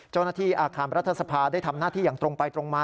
เจ้าหน้าที่อาคารรัฐสภาได้ทำหน้าที่อย่างตรงไปตรงมา